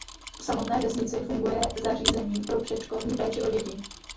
V samotné vesnici funguje zařízení pro předškolní péči o děti.